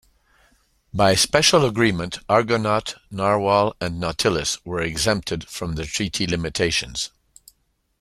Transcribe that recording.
By special agreement, "Argonaut", "Narwhal", and "Nautilus" were exempted from the treaty limitations.